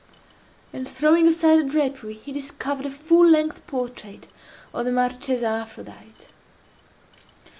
And throwing aside a drapery, he discovered a full length portrait of the Marchesa Aphrodite.